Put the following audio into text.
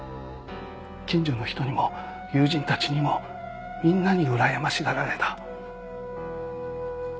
近所の人にも友人たちにもみんなにうらやましがられた。